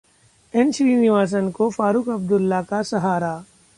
N Srinivasan को फारुख अब्दुल्ला का सहारा